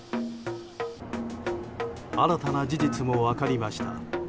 新たな事実も分かりました。